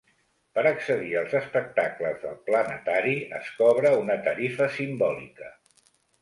Per accedir als espectacles del planetari, es cobra una tarifa simbòlica.